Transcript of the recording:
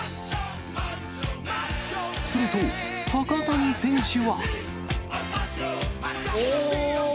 すると、高谷選手は。おー！